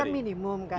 itu kan minimum kan